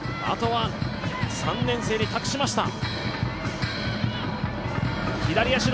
あとは３年生に託しました。